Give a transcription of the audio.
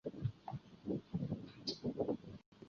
台湾山荠为十字花科山荠属下的一个种。